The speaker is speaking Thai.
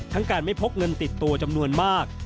การไม่พกเงินติดตัวจำนวนมาก